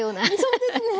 そうですね。